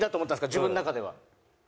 自分の中では。